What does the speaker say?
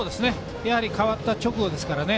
代わった直後ですからね。